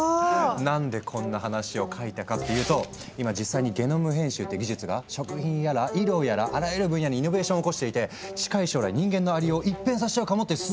何でこんな話を描いたかっていうと今実際にゲノム編集っていう技術が食品やら医療やらあらゆる分野にイノベーションを起こしていて近い将来人間のありよう一変させちゃうかもっていうすっごい話。